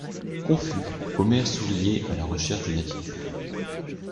Confus, Omer souriait, à la recherche d'une attitude.